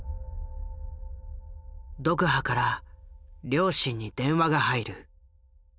ドクハから両親に電話が入る。